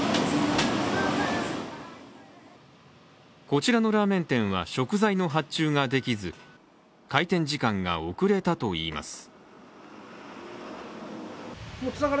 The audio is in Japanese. こちらのラーメン店は食材の発注ができず開店時間が遅れたといいます。